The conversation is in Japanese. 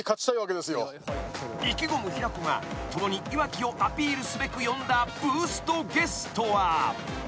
［意気込む平子が共にいわきをアピールすべく呼んだブーストゲストは］